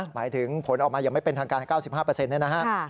หมายถึงผลออกมาอย่างไม่เป็นทางการ๙๕เนี่ยนะฮะ